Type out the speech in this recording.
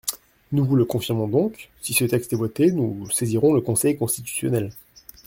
Nous vous le confirmons donc : si ce texte est voté, nous saisirons le Conseil constitutionnel.